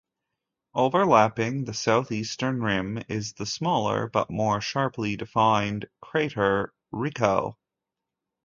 Overlapping the southeastern rim is the smaller but more sharply defined crater Ricco.